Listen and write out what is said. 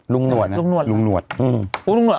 รุ่งหนวดนะรุ่งหนวดรุ่งหนวดอร่อยนะรุ่งหนวด